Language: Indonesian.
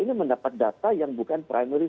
ini mendapat data yang bukan primary